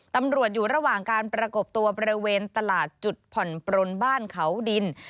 ตำรวจอยู่ระหว่างการประกบตัวบริเวณตลาดจุดผ่อนปลนบ้านเขาดิน